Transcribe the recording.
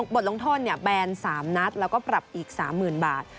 บทลงโทษแบนสามนัดแล้วก็ปรับอีกสามหมื่นบาท